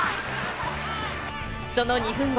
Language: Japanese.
その２分後。